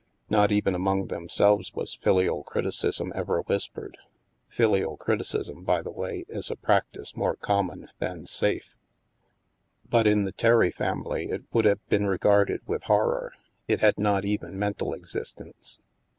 Not even among themselves was filial criticism ever whispered; filial criticism, by the way, is a practice more common than safe. But in STILL WATERS 53 the Terry family, it would have been regarded with horror ; it had not even mental existence.